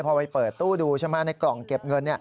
พอไปเปิดตู้ดูใช่ไหมในกล่องเก็บเงิน